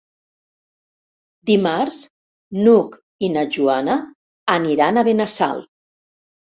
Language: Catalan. Dimarts n'Hug i na Joana aniran a Benassal.